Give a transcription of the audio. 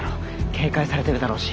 警戒されてるだろうし。